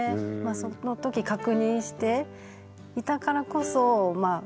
その時確認していたからこそこの。